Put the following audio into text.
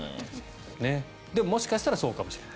でも、もしかしたらそうかもしれない。